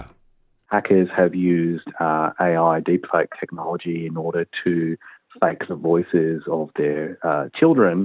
dan juga penjaga keamanan yang terhadap orang yang berumur pembayaran